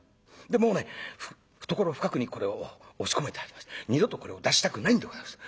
でもうね懐深くにこれを押し込めてありまして二度とこれを出したくないんでございます。